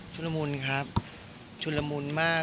ละมุนครับชุดละมุนมาก